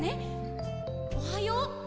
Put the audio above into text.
おはよう。